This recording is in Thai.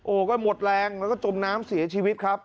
ก็หมดแรงแล้วก็จมน้ำเสียชีวิตครับ